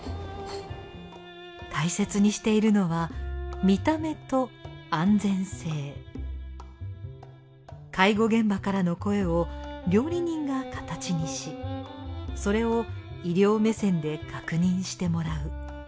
大切にしているのは介護現場からの声を料理人が形にしそれを医療目線で確認してもらう。